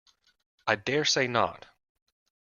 I dare say not.